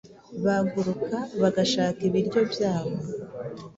baguruka bagashaka ibiryo byabo: